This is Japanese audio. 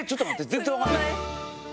全然わかんない。